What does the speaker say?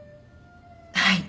はい。